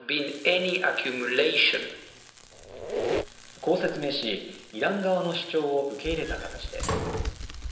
こう説明し、イラン側の主張を受け入れた形です。